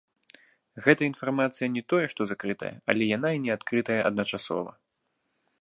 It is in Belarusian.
Гэтая інфармацыя не тое што закрытая, але яна і не адкрытая адначасова.